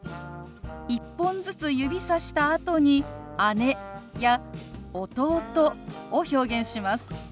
１本ずつ指さしたあとに「姉」や「弟」を表現します。